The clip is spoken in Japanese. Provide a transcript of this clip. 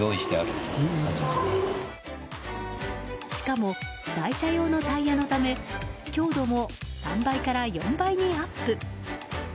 しかも、台車用のタイヤのため強度も３倍から４倍にアップ。